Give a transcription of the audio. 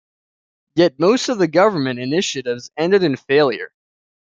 Yet most of the government initiatives ended in failure.